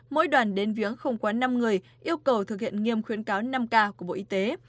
mỗi đoàn đến viếng không quá năm người yêu cầu thực hiện nghiêm khuyến cáo năm k của bộ y tế